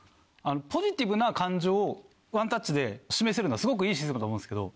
ポジティブな感情をワンタッチで示せるのはすごくいいシステムだと思うんですけど。